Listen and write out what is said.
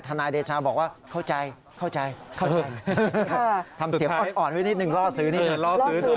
ธนายเดชาบอกว่าเข้าใจทำเสียงอ่อนนิดหนึ่งล่อซื้อนิดหนึ่ง